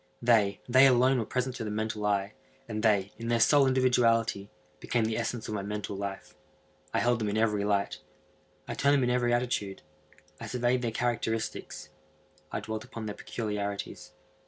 They—they alone were present to the mental eye, and they, in their sole individuality, became the essence of my mental life. I held them in every light. I turned them in every attitude. I surveyed their characteristics. I dwelt upon their peculiarities.